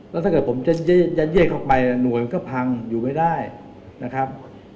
แล้วถ้าเกิดผมจะแยกเข้าไปหน่วยมันก็พังอยู่ไม่ได้นะครับ